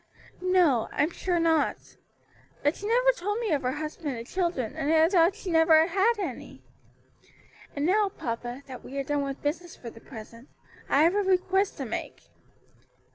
"No, I'm sure not. But she never told me of her husband and children, and I thought she had never had any. And now, papa, that we are done with business for the present, I have a request to make."